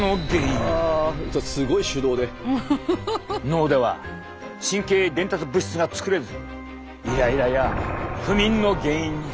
脳では神経伝達物質が作れずイライラや不眠の原因に！